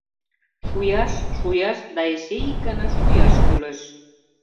Шуяш, шуяш да эше ик гана шуяш кӱлеш.